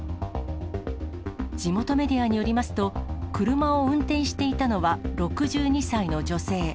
地元メディアによりますと、車を運転していたのは６２歳の女性。